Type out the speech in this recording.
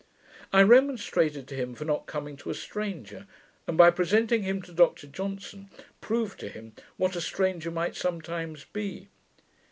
I remonstrated to him for not coming to a stranger; and, by presenting him to Dr Johnson, proved to him what a stranger might sometimes be.